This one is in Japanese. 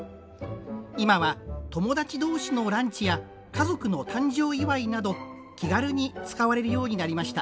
今は友達同士のランチや家族の誕生祝など気軽に使われるようになりました。